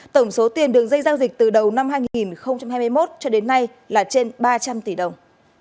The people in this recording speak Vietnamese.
tổng số tiền đường dây giao dịch từ đầu năm hai nghìn hai mươi một cho đến nay là trên ba trăm linh tỷ đồng